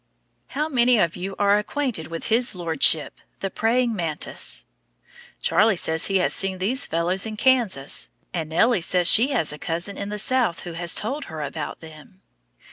How many of you are acquainted with his lordship, the praying mantis? Charlie says he has seen these fellows in Kansas, and Nellie says she has a cousin in the South who has told her about them.